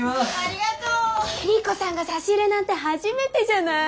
桐子さんが差し入れなんて初めてじゃない？